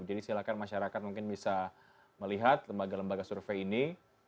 jadi silahkan masyarakat mungkin bisa melihat lembaga lembaga survei ini